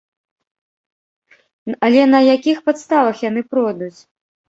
Але на якіх падставах яны пройдуць?